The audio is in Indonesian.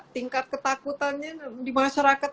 tingkat ketakutannya di masyarakat